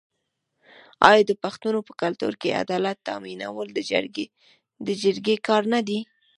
آیا د پښتنو په کلتور کې عدالت تامینول د جرګې کار نه دی؟